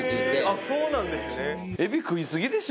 あっそうなんですね。